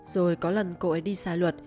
rồi có lần cô ấy đi sai luật